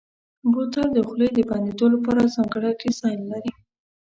بوتل د خولې د بندېدو لپاره ځانګړی ډیزاین لري.